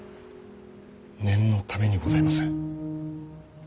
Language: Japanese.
念のためにございます。